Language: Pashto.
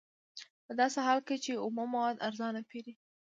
په داسې حال کې چې اومه مواد ارزانه پېري